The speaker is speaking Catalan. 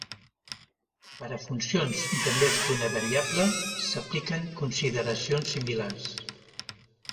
Per a funcions de més d'una variable, s'apliquen consideracions similars.